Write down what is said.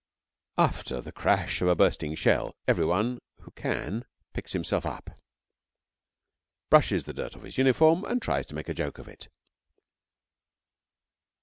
After the crash of a bursting shell every one who can picks himself up, brushes the dirt off his uniform, and tries to make a joke of it.